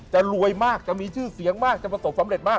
จะรวยมากจะมีชื่อเสียงมากจะประสบสำเร็จมาก